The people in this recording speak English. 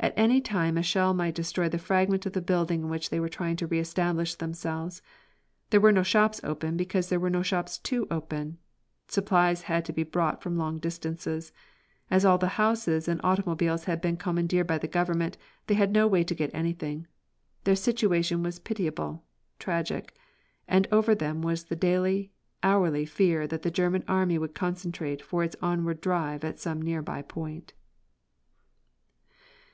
At any time a shell might destroy the fragment of the building in which they were trying to reëstablish themselves. There were no shops open, because there were no shops to open. Supplies had to be brought from long distances. As all the horses and automobiles had been commandeered by the government, they had no way to get anything. Their situation was pitiable, tragic. And over them was the daily, hourly fear that the German Army would concentrate for its onward drive at some near by point.